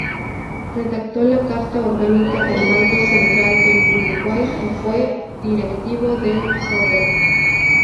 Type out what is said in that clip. Redactó la Carta Orgánica del Banco Central del Uruguay y fue directivo del Sodre.